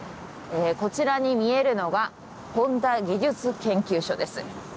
こちらに見えるのは本田技術研究所です。